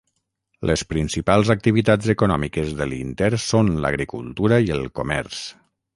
Les principals activitats econòmiques de Linter són l'agricultura i el comerç.